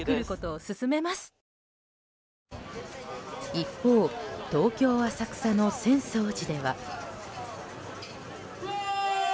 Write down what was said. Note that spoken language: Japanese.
一方、東京・浅草の浅草寺では。